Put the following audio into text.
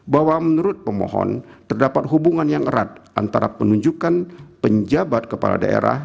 bahwa menurut pemohon terdapat hubungan yang erat antara penunjukan penjabat kepala daerah